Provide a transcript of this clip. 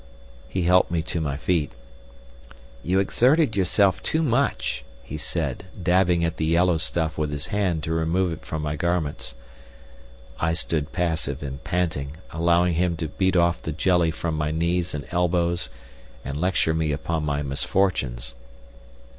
He helped me to my feet. "You exerted yourself too much," he said, dabbing at the yellow stuff with his hand to remove it from my garments. I stood passive and panting, allowing him to beat off the jelly from my knees and elbows and lecture me upon my misfortunes.